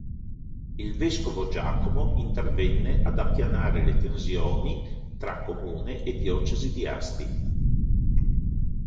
Il vescovo Giacomo intervenne ad appianare le tensioni tra Comune e diocesi di Asti.